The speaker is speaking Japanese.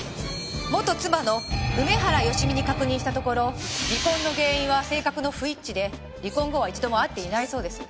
元妻の梅原芳美に確認したところ離婚の原因は性格の不一致で離婚後は一度も会っていないそうです。